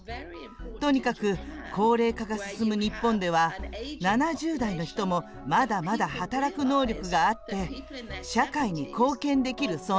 とにかく、高齢化が進む日本では７０代の人もまだまだ働く能力があって社会に貢献できる存在です。